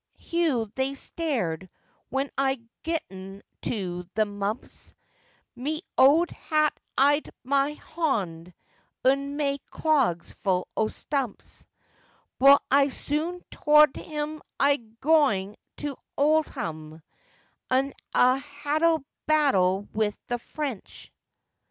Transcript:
heaw they stared when I getten to th' Mumps, Meh owd hat i' my hond, un meh clogs full o'stumps; Boh I soon towd um, I'r gooink to Owdham, Un I'd ha'e battle wi' th' French.